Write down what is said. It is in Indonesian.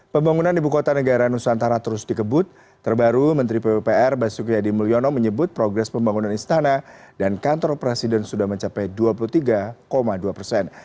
pembangunan ibu kota negara nusantara terus dikebut terbaru menteri pupr basuki hadi mulyono menyebut progres pembangunan istana dan kantor presiden sudah mencapai dua puluh tiga dua persen